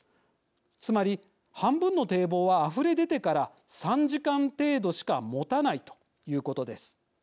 つまり、半分の堤防はあふれ出てから３時間程度しかもたないということです。